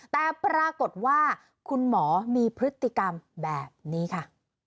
แต่ปรากฏว่าคุณหมอมีพฤติกรรมแบบนี้ค่ะ